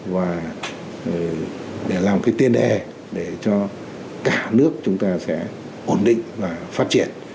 và để làm cái tiên đề để cho cả nước chúng ta sẽ ổn định và phát triển